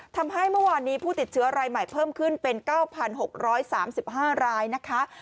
ทำให้เมื่อวานนี้ผู้ติดเชื้อรายใหม่เพิ่มขึ้นเป็น๙๖๓๕รายนะคะ